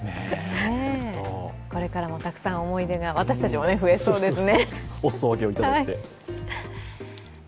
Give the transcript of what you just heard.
これからもたくさん思い出が、私たちも増えそうですね。